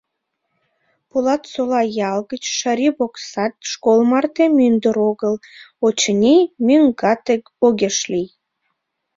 Полатсола ял гыч Шарибоксад школ марте мӱндыр огыл, очыни, меҥгат огеш лий.